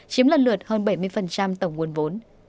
chiếm lần lượt hơn bảy mươi tổng nguồn vốn